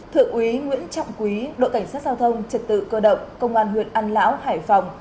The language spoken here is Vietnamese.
thượng úy nguyễn trọng quý đội cảnh sát giao thông trật tự cơ động công an huyện an lão hải phòng